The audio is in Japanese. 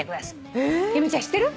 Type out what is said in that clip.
由美ちゃん知ってる？